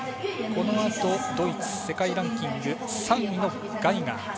このあと、ドイツ世界ランキング３位のガイガー。